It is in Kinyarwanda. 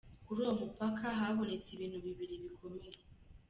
Kuri uwo mupaka habonetse ibintu bibiri bikomeye.